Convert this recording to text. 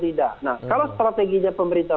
tidak nah kalau strateginya pemerintah